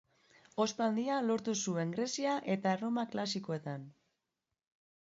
Ospe handia lortu zuen Grezia eta Erroma klasikoetan.